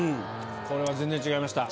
これは全然違いました。